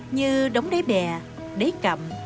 như đóng đáy bè đáy cầm